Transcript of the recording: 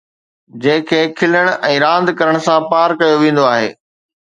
جنهن کي کلڻ ۽ راند ڪرڻ سان پار ڪيو ويندو آهي